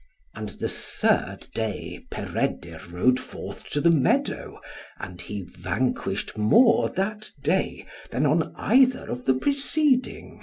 And the third day Peredur rode forth to the meadow; and he vanquished more that day than on either of the preceding.